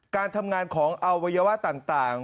การทำงานของอวัยวะต่าง